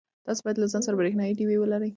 تاسي باید له ځان سره برېښنایی ډېوې ولرئ.